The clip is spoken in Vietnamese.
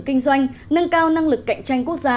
môi trường kinh doanh nâng cao năng lực cạnh tranh quốc gia